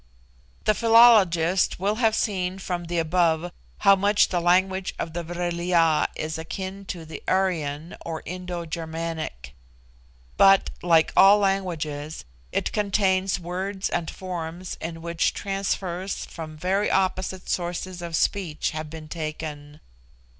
The philologist will have seen from the above how much the language of the Vril ya is akin to the Aryan or Indo Germanic; but, like all languages, it contains words and forms in which transfers from very opposite sources of speech have been taken.